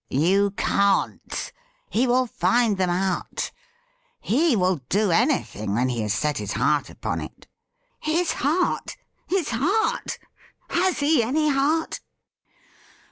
' You can't. He will find them out. He will do any thing when he has set his heart upon it.' ' His heart ! His heart ! Has he any heart